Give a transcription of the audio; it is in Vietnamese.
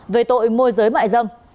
về tội môi giới mại dâm